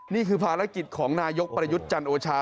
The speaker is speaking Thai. นี่คือภารกิจของนายกประยุทธ์จันโอชา